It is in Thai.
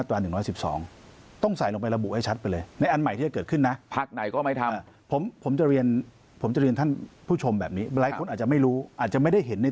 ว่าในรัฐบาลที่จะเกิดขึ้น